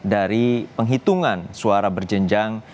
dari penghitungan suara berjenjang